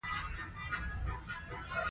کمپیوټر ساینس پوهنځۍ کړای شي دا وکړي.